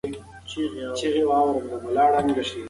د واورې درک په اسمان کې نه معلومېده.